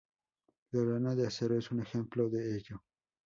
La lana de acero es un ejemplo de ello.